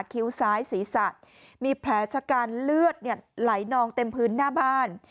คิ้วซ้ายศีรษะมีแผลชะกันเลือดไหลนองเต็มพื้นหน้าบ้าน